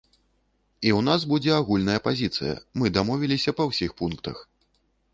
І ў нас будзе агульная пазіцыя, мы дамовіліся па ўсіх пунктах.